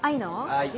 はい。